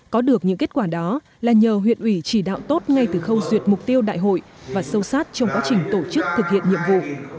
có được những kết quả đó là nhờ huyện ủy chỉ đạo tốt ngay từ khâu duyệt mục tiêu đại hội và sâu sát trong quá trình tổ chức thực hiện nhiệm vụ